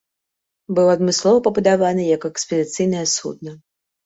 Быў адмыслова пабудаваны як экспедыцыйнае судна.